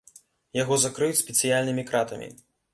Яго закрыюць спецыяльнымі кратамі.